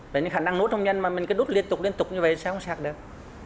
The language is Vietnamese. bệnh nhân khả năng nút không nhanh mà mình cứ nút liên tục liên tục như vậy thì sao không sặc được